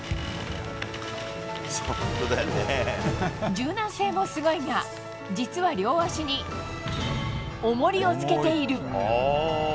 柔軟性もすごいが、実は両足に重りをつけている。